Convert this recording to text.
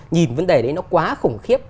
nhìn vấn đề đấy nó quá khủng khiếp